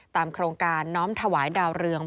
โครงการน้อมถวายดาวเรือง